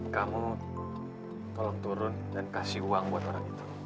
kamu tolong turun dan kasih uang buat orang itu